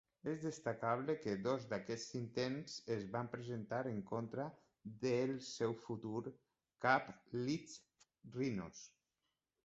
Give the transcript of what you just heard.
És destacable que dos d'aquests intents es van presentar en contra del seu futur cap, Leeds Rhinos.